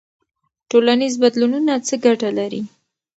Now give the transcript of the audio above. ټولنیز بدلونونه څه ګټه لري؟